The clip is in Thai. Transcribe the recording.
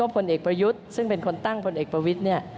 ผลเอกประยุทธ์ซึ่งเป็นคนตั้งพลเอกประวิทย์